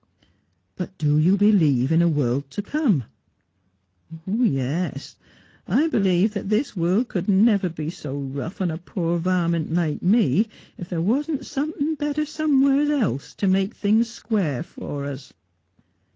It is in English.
' But do you believe in a world to come ?'' Yes. I believe that this world could never be so rough on a poor varmint like me if there wasn't somethink better some wheres else to make things square for us.'